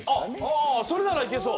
あそれならいけそう。